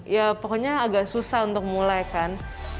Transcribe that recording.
ya pokoknya agak susah untuk mulai kan